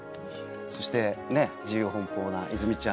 そしてねっ自由奔放な泉ちゃん。